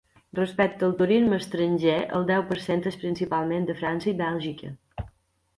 Respecte al turisme estranger, el deu per cent és principalment de França i Bèlgica.